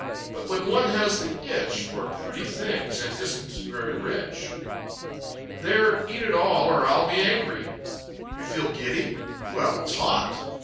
But when one has the itch For pretty things and isn't very rich.... There, eat it all or I'll Be angry! You feel giddy? Well, it's hot!